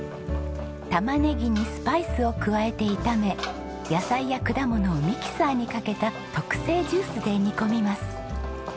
タマネギにスパイスを加えて炒め野菜や果物をミキサーにかけた特製ジュースで煮込みます。